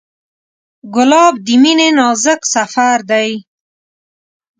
ګلاب د مینې نازک سفر دی.